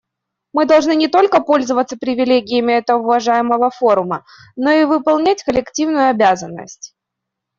Мы должны не только пользоваться привилегиями этого уважаемого форума, но и выполнять коллективную обязанность.